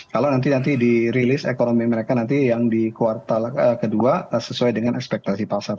kalau nanti nanti dirilis ekonomi mereka nanti yang di kuartal kedua sesuai dengan ekspektasi pasar